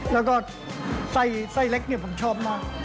แล้วก็ไส้เล็กผมชอบมาก